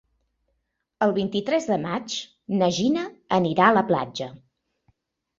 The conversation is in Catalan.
El vint-i-tres de maig na Gina anirà a la platja.